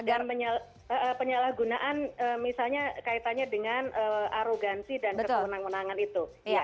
dan penyalahgunaan misalnya kaitannya dengan arugansi dan kewenangan itu